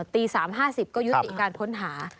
ตี๓๕๐ก็ยุติการค้นหา